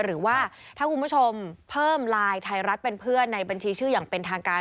หรือว่าถ้าคุณผู้ชมเพิ่มไลน์ไทยรัฐเป็นเพื่อนในบัญชีชื่ออย่างเป็นทางการ